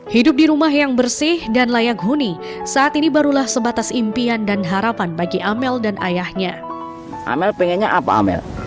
hidup di rumah yang bersih dan layak huni saat ini barulah sebatas impian dan harapan bagi amel dan ayahnya